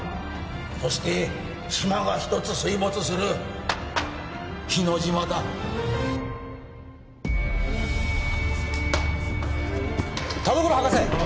そして島が１つ水没する日之島だ田所博士！